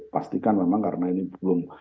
pastikan memang karena ini belum